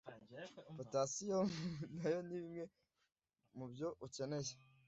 Potassium nayo nibimwe mubyo ukeneye